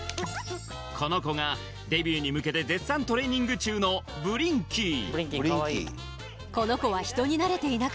この子がデビューに向けて絶賛トレーニング中のブリンキー